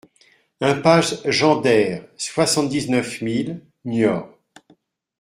Impasse Jean Dere, soixante-dix-neuf mille Niort